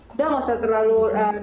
udah gak usah terlalu